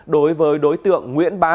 đối với đối tượng nguyễn văn liêm